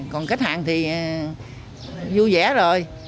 còn khách hàng thì vui vẻ rồi